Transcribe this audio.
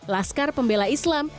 paskar pembela islam